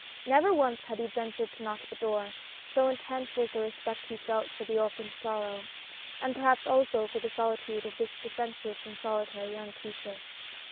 Never once had he ventured to knock at the door, so intense was the respect he felt for the orphan's sorrow, and perhaps, also for the solitude of this defenceless and solitary young creature.